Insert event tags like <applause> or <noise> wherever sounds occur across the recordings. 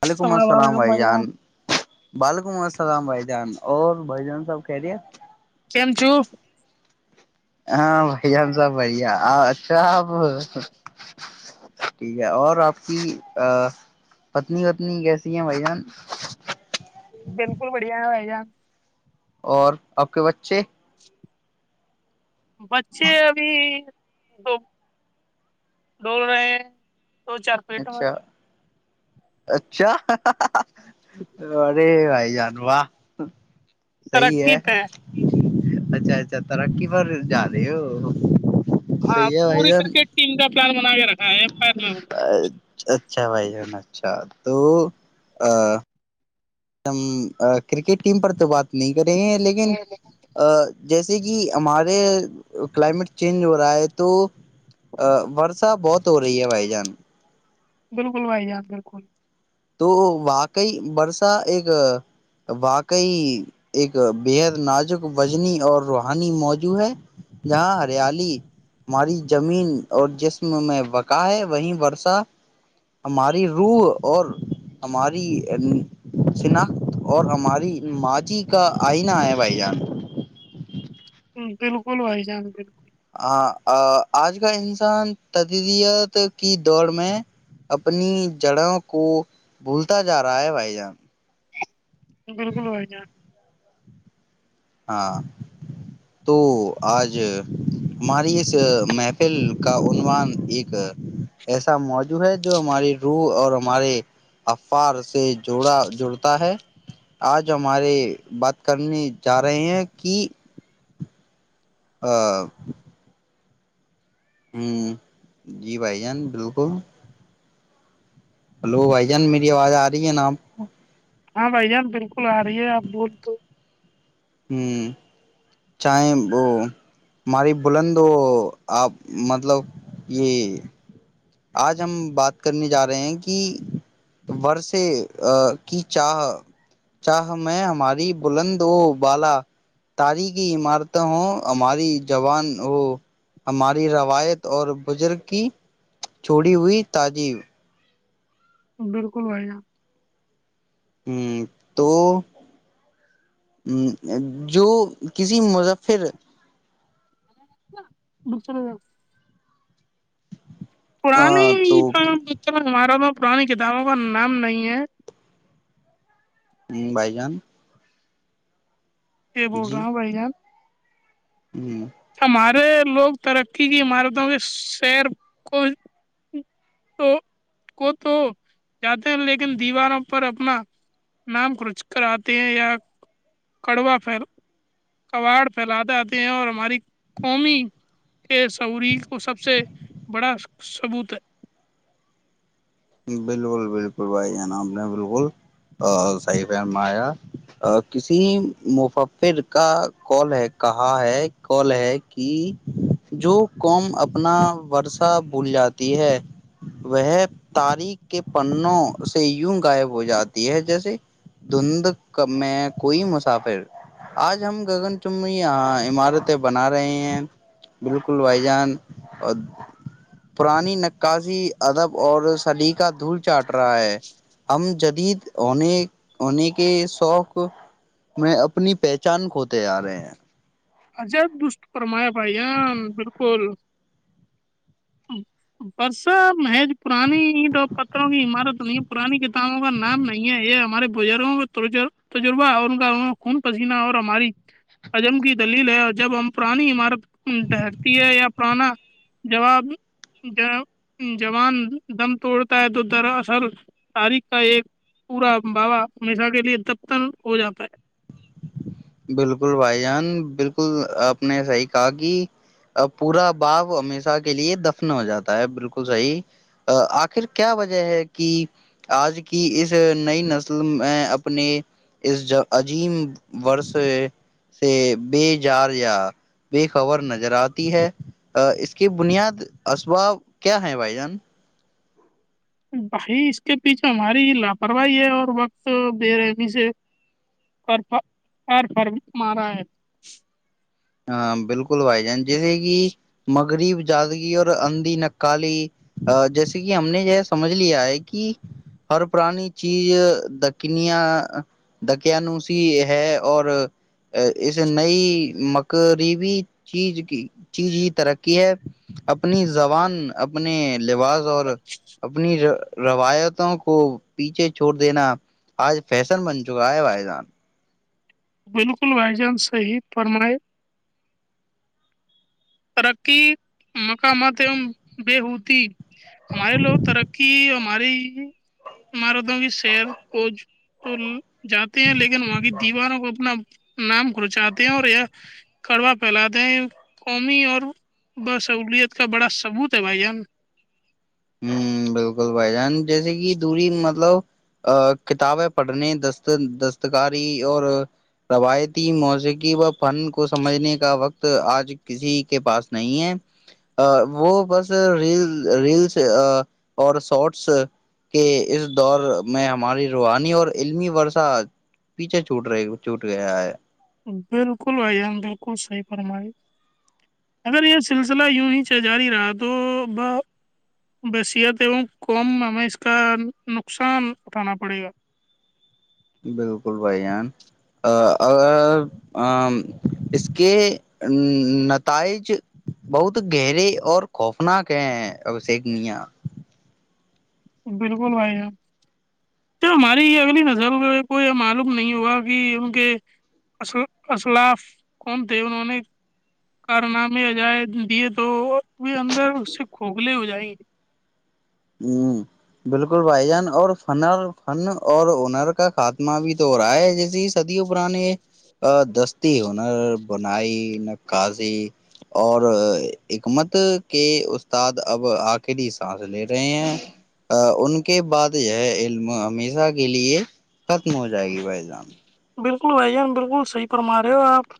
وعلیکم السلام بھائی جان وعلیکم ال رام بھ جان اور بھائی جان سب کہہ رہی ہے کیم چو ہاں بھائی جان سب بڑھیا اچھا آپ ٹھیک ہے اور آپ کی پتنی وتنی کیسی ہیں بھائی جان ہ اور آپ کے بچے بچے ابھی ڈول رہے ہیں دو چار پلیٹوں میں اچھا اچھا ارے بھائی جان وا صحی ترقی ہے پہ اچھا اچھا تر کی بار ج رہے ہو ہاں پوری کرکٹ ٹیم کا پلان بنا کے رکھ ا اچھا بھائی جان اچھا تو ا کرکٹ ٹیم پر تو بات نہیں کریں گ لیکن ہونا۔ جیسے کہ ہمارے کلائمیٹ چینج ہو رہا ہے تو ورسا بہت ہو رہی ہے بھائی جان بالکل بھائی جان بالکل تو واقعی برسہ ایک واقعی ایک بےحد نازک وجنی اور روحانی موجوع ہے جاں ہریالی ہماری زمین اور جسم میں بقا ہے وہیں برسہ ہماری روح اور ہماری شناخت اور ہماری ماضی کا آئینہ ہے بھائی جان ہ بالکل وائی جان بالکل آج کا انسان تدریت کی دوڑ میں اپنی جڑوں کو بھولتا جا رہا ہے بھائی جان بالکل وائی جان ہاں تو آج ہماری اس محفل کا عنوان ایک ایسا موضوع ہے جو ہماری روح اور ہمارے افار سے جوڑا جڑتا ہے آج ہمارے بات کرنی چاہ رہے ہیں کہ ہ <unintelligible> ہوں جی بھائی جان بالکل ہلو بھائی جان میری آواز آ رہی ہے نا آپ کو ہاں بائی جان ہم پے آ رہی ہے آپ بول تو ہوں چاہیں وہ ہماری بلند وہ آپ مطلب یہ آج ہم بات کرنے جا رہے ہیں کہ ورثے کی چاہ چاہ میں ہماری بلند و بالا تاری کی عمارت ہوں ہماری جوان ہو ہماری روایت اور بزرگ کی چوڑی ہوئی تاجی بالکل بنا ہ تو جو کسی مظفر بک چلا جؤ پرانے تو ب ہمارا پرانی کتابوں کا نام نہیں ہے ہ بھائی جان کیا بول رہا ہوں بھائی جان جی ہمارے لوگ ترقی کی عمارتوں کے شہر کو کو تو جاتے ہیں لیکن دیواروں پر اپنا نام کچ کر آتے ہیں یا کڑوا کباڑ پھیلاتے آتے ہیں اور ہماری قومی کے سعوری کو سب سے بڑا ثبوت ہے بالکل بالکل بھائی ج ن آپ نے بالکل صحیح فرمایا کسی مففر کا کال ہے کہا ہے کال ہے کہ جو قوم اپنا ورسہ بھول جاتی ہے وہ تاریخ کے پنوں سے یوں غائب ہو جاتی ہے جیسے دھند میں کوئی مسافر آج ہم گگن چمنی عمارتیں بنا رہے ہیں بالکل بھائی جان پرانی نقاسیی ادب اور سلیقہ دھول چاٹ رہا ہے ہم جدید ہونے ہونے کے شوق میں اپنی پہچان کھوتے آ رہے ہیں اجب دست فرمایا بھ جان بالکل پرسا محیج پرانی تو پتروں کی عمارت نہیں ہے پرانی کتابوں کا نام نہیں ہے یہ ہمارے بزرگوں کا تجربہ اور ان کا خون پسینہ اور ہماری عجم کی دلیل ہے اور جب ہم پرانی عمارت ٹھہرتی ہے یا پرانا جواب جوان دم توڑتا ہے تو دراصل تاریخ کا ایک پورا بوا ہمیشہ کے لیے دبتن ہو جاتا ہے بالکل بھائی جان بالکل آپ نے صحیح کہا کہ پورا بااب ہمیشہ کے لیے دفن ہو جاتا ہے بالکل صحیح آخر کیا وجہ ہے کہ آج کی اس نئی نسل میں اپنے اس عجیم ور سے بے جار یا بے خبر نظر آتی ہے اس کی بنیاد اسباب کیا ہے بھائی جان بھائی اس کے پیچھے ہماری لاپرواہی ہے اور وقت بے رحمی سے فر مارا ہے ہاں بالکل کھلوائے جائان جیسے کہ مغریب جادگی اور اندھی نکالی جیسے کہ ہم نے یہ سمجھ لیا ہے کہ ہر پرانی چیز دکنیا دکانوسی ہے اور اس نئی قریبی چیز کی چیز ہی ترقی ہے اپنی زبان اپنے لباس اور اپنی روایتوں کو پیچھے چھوڑ دینا آج فیشن بن چکا ہے بح جان بالکل بھائی جان صی فرمائے ترقی مقامات ای بیہود ہمارے لوگ ترقی مے مار دمی سیر کچ دول جاتے ہیں لیکن وہاں کی دیواروں کو اپنا نام گچاتے ہیں اور یہ کڑوا پھیلاتے ہیں قومی اور بسہولیت کا بڑا ثبوت ہے بھائی ان ہ بالکل بھائی جان جیسے کہ دوری مطلب کتابیں پڑھنے د دستکاری اور روایتی موسیقی و فن کو سمجھنے کا وقت آج کسی کے پاس نہیں ہے وہ بس ریل ریلس اور شارٹس کے اس دور میں ہماری روحانی اور علمی ورثہ پیچھے چوٹ رہے چوٹ گیا ہے بالکل بھائیان بالکل صحیح فرمائی اگر یہ سلسلہ یوں ہی سے جاری رہا تو ب بثیت ای قم ہمیں اس کا نقصان اٹھانا پڑے گا بالکل بھائی جان اس کے نتائج بہت گہرے اور خوفناک ہیں ہیں ابشیک میا بالکل بھائی تو ہماری اگلی نسل میں کو یہ معلوم نہیں ہوا کہ ان کے الاف کون تھے انہوں نے کارنامے عجائ دیے تو وہ اندر اس سے کھوکھلے ہو جائیںے ہ بالکل بھائی جان اور فنر فن اور ہنر کا خاتمہ بھی تو ہو رہا ہے جیسے صدیوں پرر نے دستی ہنر بنائی نقاضی اور حکمت کے استاد اب آخرری سانس ل رہے ہیں ان کے بعد یہ ہے علم ہمیشہ کے لیے ختم ہو جائے گی بھائی جان بالکل بھائی جان بالکل صحیح فرما رہے ہو آپ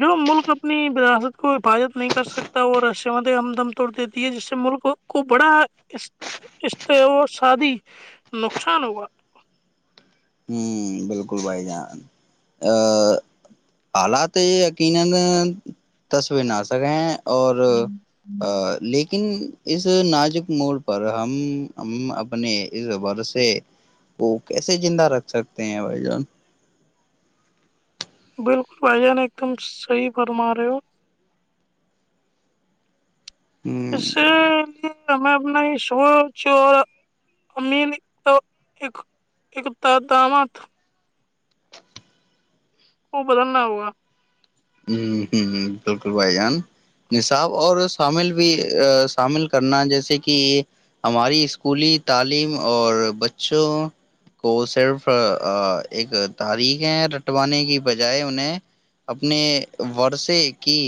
جو ملک اپنی راثت کو حفاظت نہیں کر سکتا وہ رش ہمدم توڑ دیتی ہے جس سے ملک کو بڑا اس شادی نقصان ہوا ہوں بالکل بھائی جان ا <inaudible> اور لیک لیکن اس نازک موڑ پر ہم اپنے اس بورسے کو کیسے زندہ رکھ سکتے ہیں بھائی جان بالکل بھائی جان ایک دم صحیح فرما رہے ہو ہ اسشی ہمیں اپنا شورچ اور امیر کا اقتدامات تھا وہ بدلنا ہوگا ہ ہ ہ بالکل بھائی جان نصاب اور شامل بھی شامل کرنا جیسے کہ ہماری اسکولی تعلیم اور بچوں کو صرف ایک تاریخیں رٹوانے کی بجائے انہیں اپ اپنے ورثے کی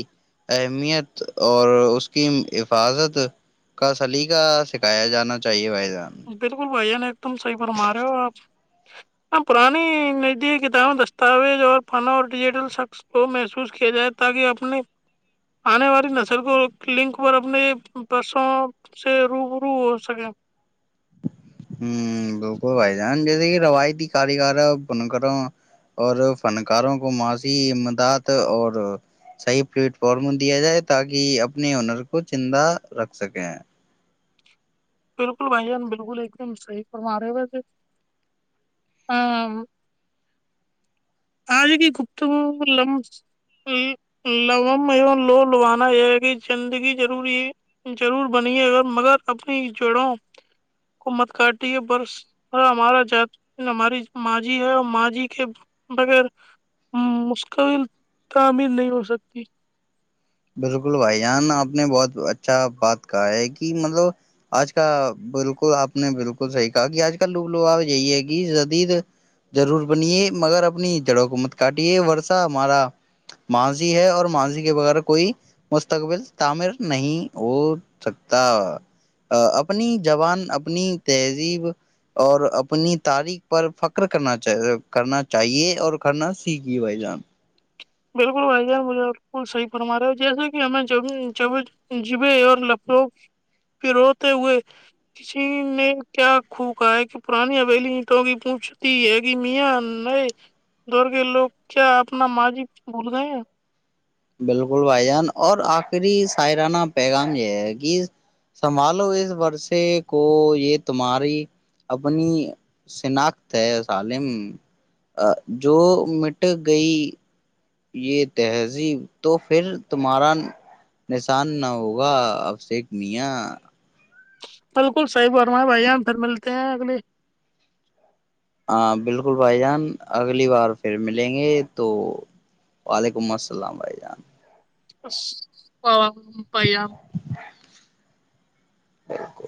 اہمیت اور اس کی حفاظت کا سلیقہ سکھایا جانا چاہیے بائی بالکل بائیا نے تم صحیح فرما رہے ہو آپ پرانی ندی کتاب دستاویز اور فن اور ڈیجیٹل شخص کو محسوس کیا جائے تاکہ اپنے آنے والی نسل کو لنک پر اپنے پسوں سے روب رو ہو سکے ہ بالکل بھائی جان جیسے کہ روایتی کاریگر بنکروں اور فنکاروں کو ماضی امداد اور صحیح پلیٹ فارم دیا جائے تاکہ اپنے ہنر کو چندہ رکھ سکیں بالکل بھائی جان بالکل ایک دم صحی فرما رہے وس ا آج کی گپتگ لم لو لوانا یہ ہے کہ زندگیروری ضرور بنی ہے مگر اپنی جڑوں کو مت کاٹی ہے ب ہمارا ج ہماری ماںضی ہے اور ماںضی کے بغیر مستقبل تعمیر نہیں ہو سکتی بالکل بھائی جان آپ نے بہت اچھا بات کہا ہے کہ مطلب آج کا بالکل آپ نے بالکل صحیح کہا کہ آج کال لوگ لو آپ یہی ہے کہ جدید ضرور بنیے مگر اپنی جڑوں کو مت کاٹیے ورثہ ہمارا ماضی ہے اور ماضی کے بغیر کوئی مستقبل تعمیر نہیں ہو سکتا اپنی زبان اپنی تہذیب اور اپنی تاریخ پر فخر کرنا کرنا چاہیے اور کرنا سیکھیے بھائی جان بک بھان مجھے ب صحی فرما رہے ہو جیسے کہ ہمیں جب جبے اور لڑو پوتے ہوئے کسی نے کیا کو کہا ہے کہ پرانی ابیلیٹوں کی پوچھتی ہے کہ میا نئے دور کے لوگ کیا اپنا ماض بھول گئے بالکل بھائی جان اور آخری سائرانہ پیغام یہ ہے کہ سنبھالو اس ورثے کو یہ تمہاری اپنی شناخت ہے سالم جو مٹ گئی یہ تہذیب تو پھر تمہارا نشان نہ ہوگا اب شیک میاں بالکل صحیح بم ہے بھائی ہم پھر ملتے ہیں اگلی ہاں بالکل بھائی جان اگلی بار پھر ملیں گے تو وعلیکم السلام بھائی جان و پیام وہ کو